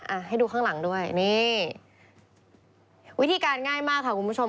ให้ดูข้างหลังด้วยนี่วิธีการง่ายมากค่ะคุณผู้ชม